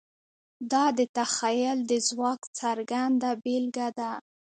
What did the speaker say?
دا د تخیل د ځواک څرګنده بېلګه ده.